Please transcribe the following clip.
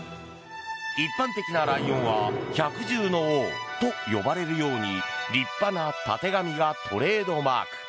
一般的なライオンは百獣の王と呼ばれるように立派なたてがみがトレードマーク。